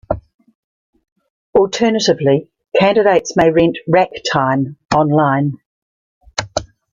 Alternatively, candidates may rent "rack time" online.